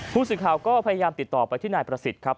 ผู้สื่อข่าวก็พยายามติดต่อไปที่นายประสิทธิ์ครับ